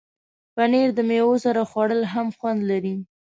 پنېر د میوو سره خوړل هم خوند لري.